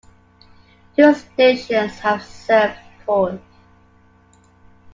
Two stations have served Porth.